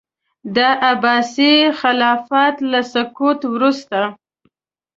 د عباسي خلافت له سقوط وروسته.